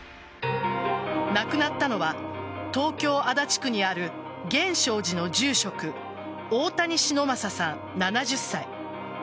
亡くなったのは東京・足立区にある源証寺の住職大谷忍昌さん、７０歳。